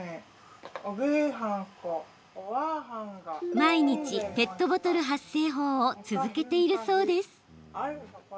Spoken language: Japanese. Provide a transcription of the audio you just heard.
毎日、ペットボトル発声法を続けているそうです。